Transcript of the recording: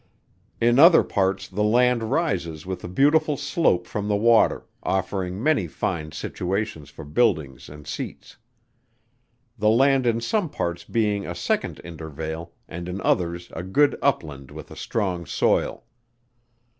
In other parts the land rises with a beautiful slope from the water, offering many fine situations for buildings and seats. The land in some parts being a second intervale, and in others a good upland with a strong soil.